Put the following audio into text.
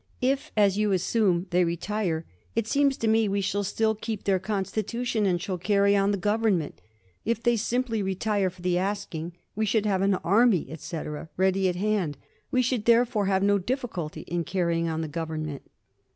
If, as you assume, they retire, it seems to me we shall still keep their constitution, and shall carry on the government. If they simply retire for the asking, we should have an army, etc. ready at hand. We should, therefore, have no difficulty in carrying on the government.